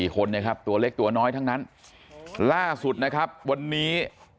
คนนะครับตัวเล็กตัวน้อยทั้งนั้นล่าสุดนะครับวันนี้